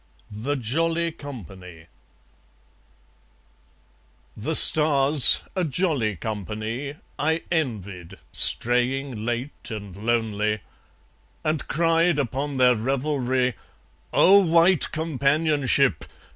The Jolly Company The stars, a jolly company, I envied, straying late and lonely; And cried upon their revelry: "O white companionship!